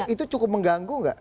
itu cukup mengganggu nggak